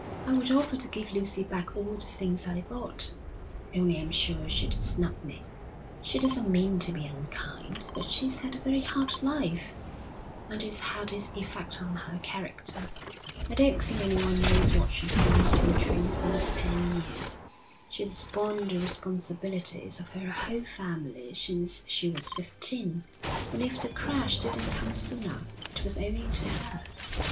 'I would offer to give Lucy back all the things I bought, only I'm sure she'd snub me.' 'She doesn't mean to be unkind, but she's had a very hard life, and it's had its effect on her character. I don't think anyone knows what she's gone through during these ten years. She's borne the responsibilities of her whole family since she was fifteen, and if the crash didn't come sooner, it was owing to her.